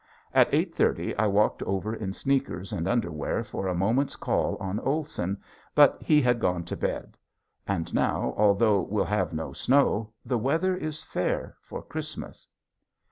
At eight thirty I walked over in sneakers and underwear for a moment's call on Olson, but he had gone to bed. And now although we'll have no snow the weather is fair for Christmas.